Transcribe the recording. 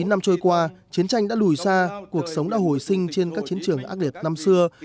bốn mươi năm trôi qua chiến tranh đã lùi xa cuộc sống đã hồi sinh trên các chiến trường ác liệt năm xưa